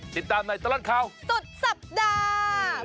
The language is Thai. ติดตามในตลอดข่าวสุดสัปดาห์